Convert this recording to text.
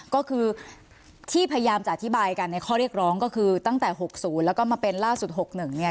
ก็คือที่พยายามจะอธิบายกันในข้อเรียกร้องก็คือตั้งแต่๖๐แล้วก็มาเป็นล่าสุด๖๑เนี่ย